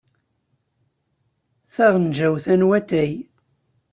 Taɣenjayt-a n watay.